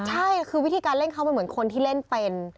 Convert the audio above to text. ใช่คือวิธีการเล่นเขามันเหมือนคนที่เล่นเป็น